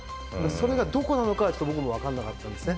それがどこかが僕には分からなかったんですね。